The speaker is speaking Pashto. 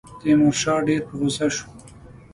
تیمورشاه ډېر په غوسه شو.